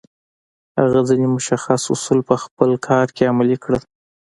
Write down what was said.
هغه ځينې مشخص اصول په خپل کار کې عملي کړل.